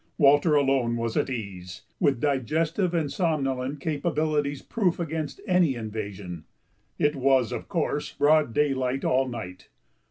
Walter alone was at ease, with digestive and somnolent capabilities proof against any invasion. It was, of course, broad daylight all night.